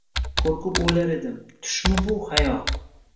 qo’rqib o’ylar edim: tushmi bu, xayol?